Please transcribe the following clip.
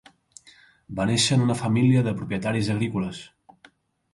Va néixer en una família de propietaris agrícoles.